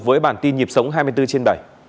với bản tin nhịp sống hai mươi bốn trên bảy